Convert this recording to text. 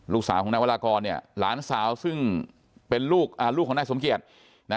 ลูกสาวของนายวรากรเนี่ยหลานสาวซึ่งเป็นลูกลูกของนายสมเกียจนะ